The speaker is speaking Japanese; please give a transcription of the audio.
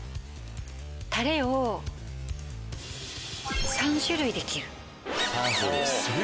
タレを３種類できる。